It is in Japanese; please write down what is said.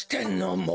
もう。